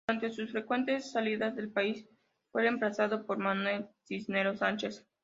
Durante sus frecuentes salidas del país fue reemplazado por Manuel Cisneros Sánchez.